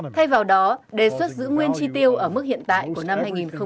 thay vào đó đề xuất giữ nguyên chi tiêu ở mức hiện tại của năm hai nghìn hai mươi